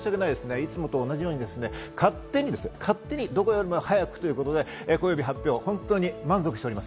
いつも同じように、勝手にどこよりも早くということで、紅葉日発表、本当に満足しています。